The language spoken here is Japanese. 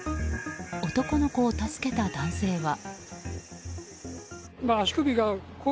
男の子を助けた男性は。